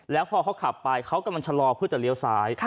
แล้วพอเขาขับไปเขากำลังชะลอเพื่อจะเลี้ยวซ้าย